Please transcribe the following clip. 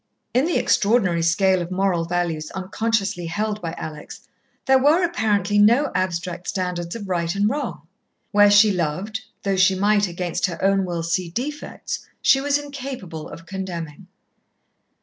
In the extraordinary scale of moral values unconsciously held by Alex, there were apparently no abstract standards of right and wrong. Where she loved, though she might, against her own will see defects, she was incapable of condemning.